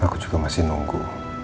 aku juga masih nunggu